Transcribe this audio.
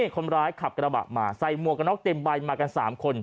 คนร้ายขับกระบะมาใส่หมวกกระน็อกเต็มใบมากัน๓คน